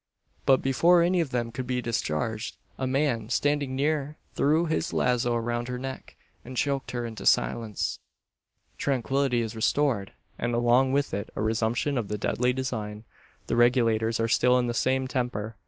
But before any of them could be discharged, a man standing near threw his lazo around her neck, and choked her into silence. Tranquillity is restored, and along with it a resumption of the deadly design. The Regulators are still in the same temper.